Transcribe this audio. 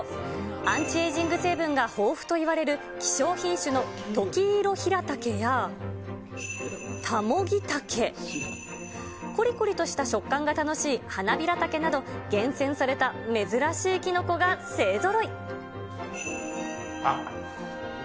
アンチエイジング成分が豊富といわれる希少品種のトキイロヒラタケや、タモギタケ、こりこりとした食感が楽しいハナビラタケなど、厳選された珍しいあっ。